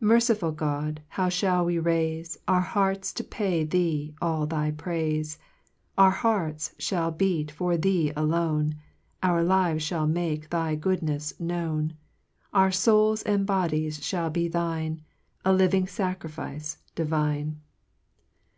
5 Merciful God, how Hull we raife Our hearts to pay thee all thy praife/ Our hearts (hall beat for Thee alone, Our lives fhall make thy goodnefs known Our. fouls and bodies (hall be Thine, A living facriike divine.